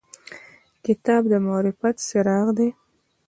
کتاب د معرفت څراغ دی.